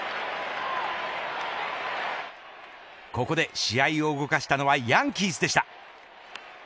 ここで試合を動かしたのはヤンキースでした。